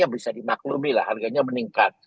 bisa dimaklumi lah harganya meningkat